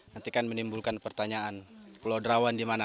nanti kan menimbulkan pertanyaan pulau derawan di mana